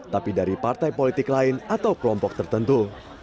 tapi dari partai politik lain atau kelompok tertentu